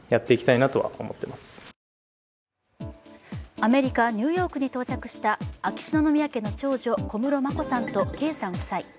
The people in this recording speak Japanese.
アメリカ・ニューヨークに到着した秋篠宮家の長女・小室眞子さんと圭さん夫妻。